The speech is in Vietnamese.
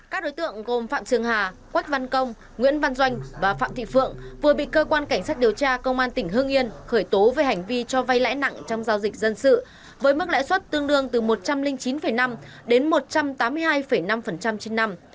các đối tượng gồm phạm trường hà quách văn công nguyễn văn doanh và phạm thị phượng vừa bị cơ quan cảnh sát điều tra công an tỉnh hương yên khởi tố về hành vi cho vay lãi nặng trong giao dịch dân sự với mức lãi suất tương đương từ một trăm linh chín năm đến một trăm tám mươi hai năm trên năm